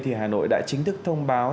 thì hà nội đã chính thức thông báo